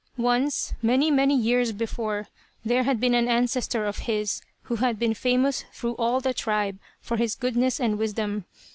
"Once, many, many years before, there had been an ancestor of his who had been famous through all the tribe for his goodness and wisdom.